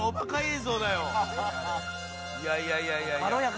いやいやいやいや。